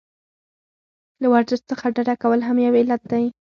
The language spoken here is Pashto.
له ورزش څخه ډډه کول هم یو علت دی.